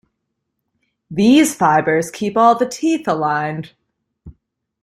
These fibers keep all the teeth aligned.